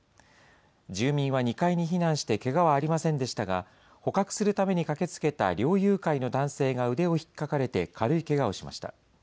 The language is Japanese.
住民は２階に避難してけがはありませんでしたが、捕獲するために駆けつけた猟友会の男性が腕をひっかかれて軽いけがをしました。